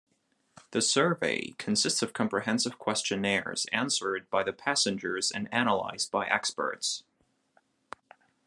The survey consists of comprehensive questionnaires answered by the passengers and analyzed by experts.